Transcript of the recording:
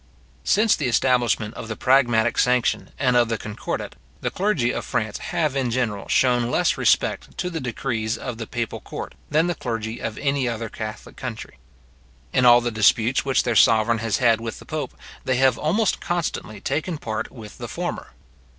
Since the establishment of the pragmatic sanction and of the concordat, the clergy of France have in general shewn less respect to the decrees of the papal court, than the clergy of any other catholic country. In all the disputes which their sovereign has had with the pope, they have almost constantly taken part with the former.